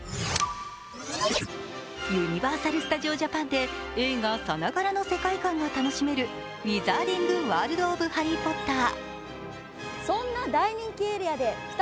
ユニバーサル・スタジオ・ジャパンで映画さながらの世界観が楽しめるウィザーディング・ワールド・オブ・ハリー・ポッター。